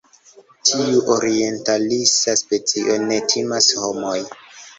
Tiu orientalisa specio ne timas homojn.